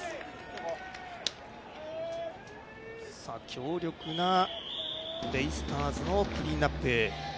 強力なベイスターズのクリーンナップ。